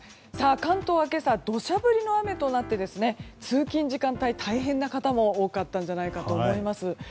関東は今朝土砂降りの雨となって通勤時間帯、大変な方も多かったと思います。